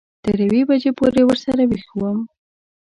تر یوې بجې پورې ورسره وېښ وم.